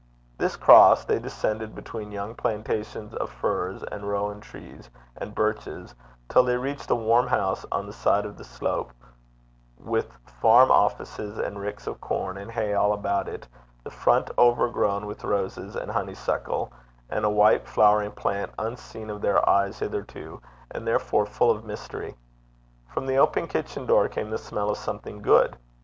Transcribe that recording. This crossed, they descended between young plantations of firs and rowan trees and birches, till they reached a warm house on the side of the slope, with farm offices and ricks of corn and hay all about it, the front overgrown with roses and honeysuckle, and a white flowering plant unseen of their eyes hitherto, and therefore full of mystery. From the open kitchen door came the smell of something good.